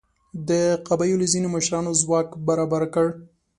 د قبیلو ځینو مشرانو ځواک برابر کړ.